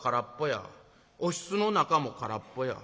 おひつの中も空っぽや。